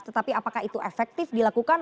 tetapi apakah itu efektif dilakukan